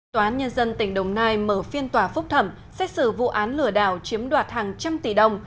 tòa án nhân dân tỉnh đồng nai mở phiên tòa phúc thẩm xét xử vụ án lừa đảo chiếm đoạt hàng trăm tỷ đồng